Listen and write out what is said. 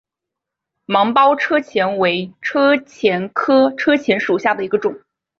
芒苞车前为车前科车前属下的一个种。